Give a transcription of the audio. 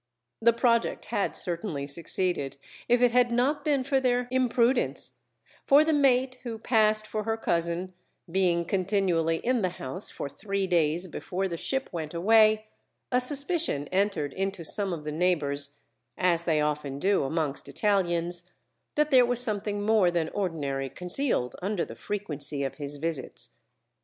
The project had certainly succeeded if it had not been for their imprudence; for the mate, who passed for her cousin, being continually in the house for three days before the ship went away, a suspicion entered into some of the neighbours (as they often do amongst Italians) that there was something more than ordinary concealed under the frequency of his visits.